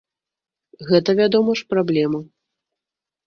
Гэта, вядома ж, праблема.